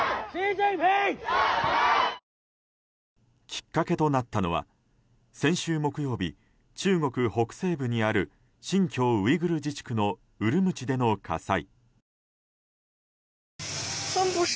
きっかけとなったのは先週木曜日中国北西部にある新疆ウイグル自治区のウルムチでの火災。